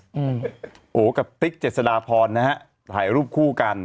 โหกับติ๊กเจ็ดศดาพอลน่ะฮะถ่ายรูปคู่กัน